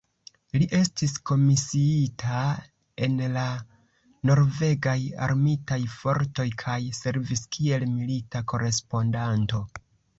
Li estis komisiita en la norvegaj Armitaj Fortoj kaj servis kiel milita korespondanto.